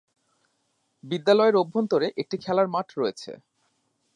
বিদ্যালয়ের অভ্যন্তরে একটি খেলার মাঠ রয়েছে।